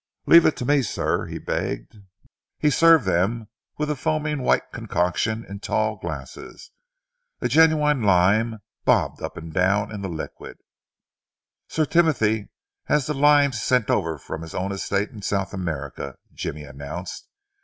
"Leave it to me, sir," he begged. He served them with a foaming white concoction in tall glasses. A genuine lime bobbed up and down in the liquid. "Sir Timothy has the limes sent over from his own estate in South America," Jimmy announced.